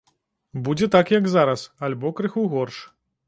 Будзе так, як зараз, альбо крыху горш.